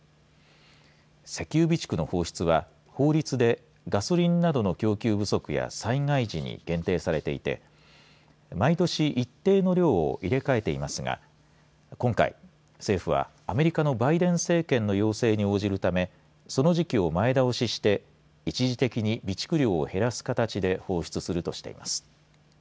石油備蓄の放出は法律でガソリンなどの供給不足や災害時に限定されていて毎年一定の量を入れ替えていますが今回、政府はアメリカのバイデン政権の要請に応じるためその時期を前倒しして一時的に備蓄量を減らす形で放出するとしています。